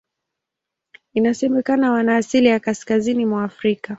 Inasemekana wana asili ya Kaskazini mwa Afrika.